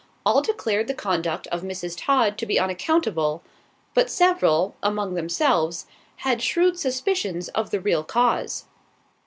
All declared the conduct of Mrs. Todd to be unaccountable; but several, among themselves, had shrewd suspicions of the real cause.